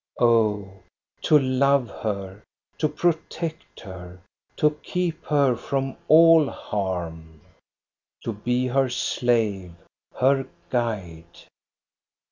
Oh, to love her, to protect her, to keep her from all harm I To be her slave, her guide